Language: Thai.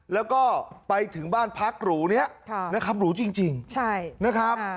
แล้วก็ไปถึงบ้านพักหรูนี้นะครับหรูจริงนะครับ